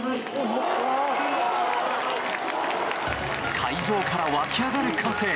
会場から湧き上がる歓声。